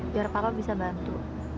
biar papa bisa bantu